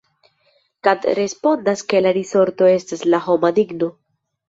Kant respondas ke la risorto estas la homa digno.